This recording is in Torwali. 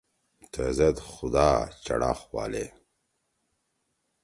تھے زید خُدا چڑاخ والے۔